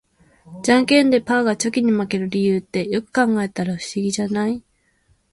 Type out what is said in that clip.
ジャンケンでパーがチョキに負ける理由って、よく考えたら不思議じゃない？